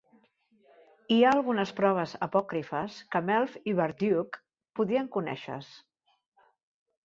Hi ha algunes proves apòcrifes que Melf i Warduke podrien conèixer-se.